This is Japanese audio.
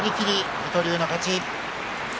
水戸龍の勝ち。